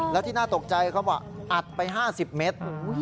แล้วที่น่าตกใจเขาบอกอัดไป๕๐เมตร